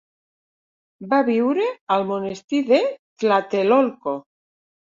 Va viure al monestir de Tlatelolco.